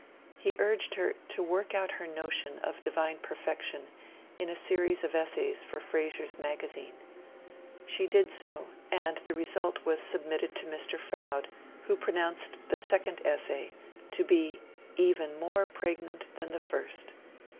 He urged her to 'work out her notion of Divine Perfection', in a series of essays for Frazer's Magazine. She did so; and the result was submitted to Mr. Froude, who pronounced the second essay to be 'even more pregnant than the first.